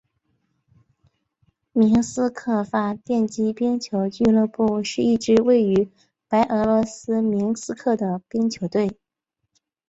明斯克发电机冰球俱乐部是一支位于白俄罗斯明斯克的冰球队。